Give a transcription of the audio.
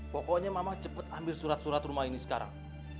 pokoknya mama cepat ambil surat surat rumah ini sekarang